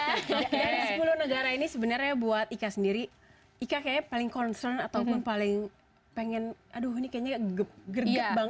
kalau dari sepuluh negara ini sebenarnya buat ika sendiri ika kayaknya paling concern ataupun paling pengen aduh ini kayaknya gerget banget